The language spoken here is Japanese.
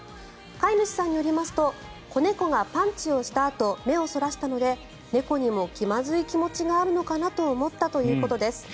飼い主さんによりますと子猫がパンチをしたあと目をそらしたので猫にも気まずい気持ちがあるのかなと思ったということです。